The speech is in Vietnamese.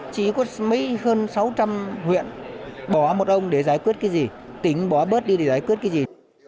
chỉ có mấy hơn sáu trăm linh huyện bỏ một ông để giải quyết cái gì tính bỏ bớt đi để giải quyết cái gì